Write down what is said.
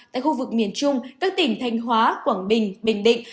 tại khu vực miền trung các tỉnh thanh hóa quảng bình bình định